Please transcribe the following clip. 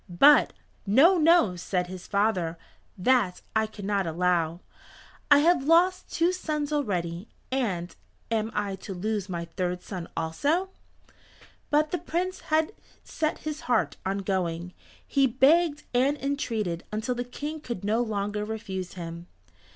But, "No, no," said his father, "that I cannot allow. I have lost two sons already, and am I to lose my third son also?" But the Prince had set his heart on going. He begged and entreated until the King could no longer refuse him.